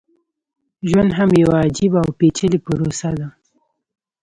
ژوند هم يوه عجيبه او پېچلې پروسه ده.